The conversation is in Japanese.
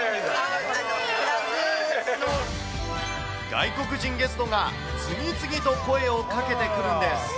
外国人ゲストが次々と声をかけてくるんです。